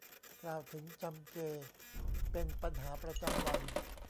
กล่าวถึงจำเจเป็นปัญหาประจำวัน